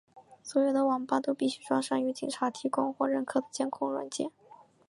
所有的网吧都必须装上由警察提供或认可的监控软件。